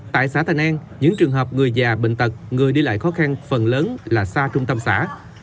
tại xã thành an những trường hợp người già bệnh tật người đi lại khó khăn phần lớn là xa trung tâm xã